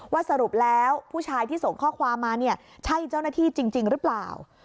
สรุปแล้วผู้ชายที่ส่งข้อความมาเนี่ยใช่เจ้าหน้าที่จริงหรือเปล่า